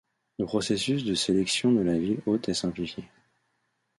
Le processus de sélection de la ville hôte est simplifié.